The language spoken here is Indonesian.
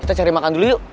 kita cari makan dulu yuk